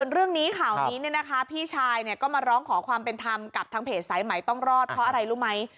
เรื่องนี้ข่าวนี้พี่ชายก็มาร้องขอความเป็นธรรมกับทางเพจสายใหม่ต้องรอดเพราะอะไรรู้ไหม